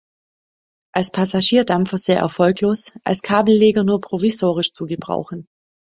Als Passagierdampfer sehr erfolglos, als Kabelleger nur provisorisch zu gebrauchen.